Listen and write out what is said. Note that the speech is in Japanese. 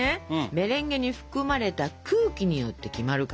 メレンゲに含まれた空気によって決まるから。